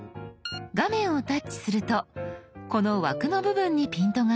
画面をタッチするとこの枠の部分にピントが合います。